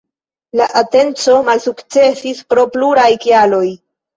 La atenco malsukcesis pro pluraj kialoj.